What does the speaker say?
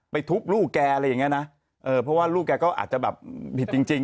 ทุบลูกแกอะไรอย่างเงี้ยนะเออเพราะว่าลูกแกก็อาจจะแบบผิดจริงจริง